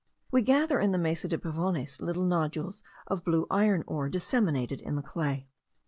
We gathered in the Mesa de Pavones little nodules of blue iron ore disseminated in the clay.